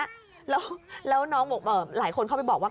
แล้วน้องบอกหลายคนเข้าไปบอกว่า